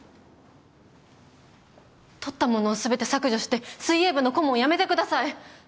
撮ったものを全て削除して水泳部の顧問を辞めてください